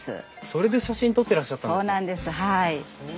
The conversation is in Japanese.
それで写真撮ってらっしゃったんですね。